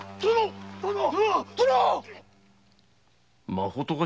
まことか？